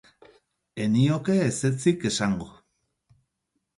Ez nioke ezetzik esango.